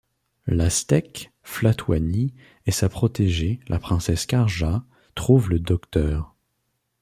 L'Aztèque Flathouani et sa protégée, la princesse Karja, trouvent le Dr.